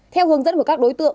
theo hướng dẫn của các đối tượng